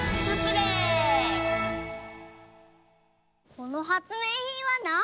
このはつめいひんはなに？